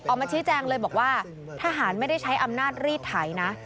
ออกมาชี้แจงเลยบอกว่าทหารไม่ได้ใช้อำนาจรีดไถนะ